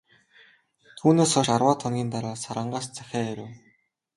Түүнээс хойш арваад хоногийн дараа, Сарангаас захиа ирэв.